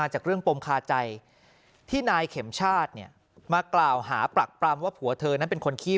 เหตุการณ์นี้